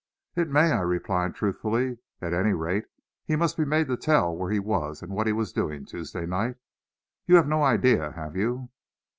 "It may," I replied truthfully. "At any rate, he must be made to tell where he was and what he was doing Tuesday night. You have no idea, have you?"